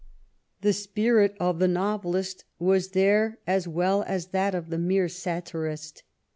The spirit of the novelist was there as well as that of the mere satirist.